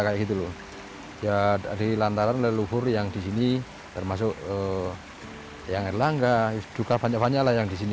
ya ada lantaran leluhur yang di sini termasuk yang adalah enggak juga banyak banyak yang di sini